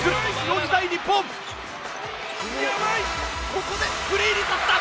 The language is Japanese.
ここでフリーにさせた！